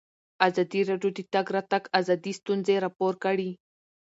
ازادي راډیو د د تګ راتګ ازادي ستونزې راپور کړي.